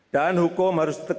dan hukum harus dikembangkan